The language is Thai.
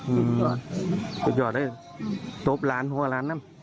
อืมอย่าได้ตบร้านหัวร้านนั้น